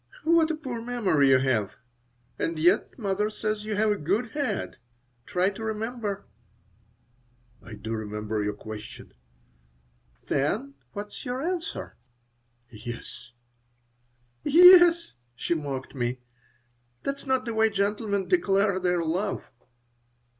"What a poor memory you have! And yet mother says you have 'a good head.' Try to remember." "I do remember your question." "Then what is your answer?" "Yes." "Yes!" she mocked me. "That's not the way gentlemen declare their love."